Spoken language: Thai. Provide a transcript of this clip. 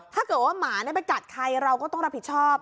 ถ้าเกิดว่าหมาไปกัดใครเราก็ต้องรับผิดชอบ